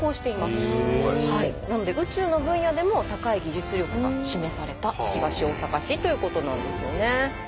すごい！なので宇宙の分野でも高い技術力が示された東大阪市ということなんですよね。